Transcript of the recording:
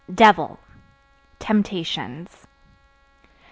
Devil Temptations.